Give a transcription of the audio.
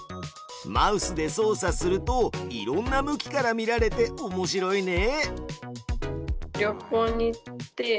マウスで操作するといろんな向きから見られておもしろいね！